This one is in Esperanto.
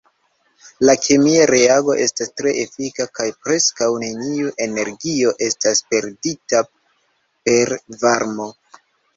La kemia reago estas tre efika, kaj preskaŭ neniu energio estas perdita per varmo.